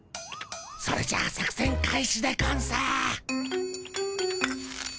それじゃあ作せん開始でゴンス。